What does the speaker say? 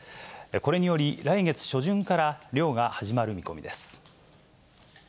これにより、来月初旬から漁が始まる見込みです。